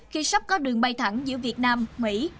khi sắp có đường bay thẳng giữa việt nam mỹ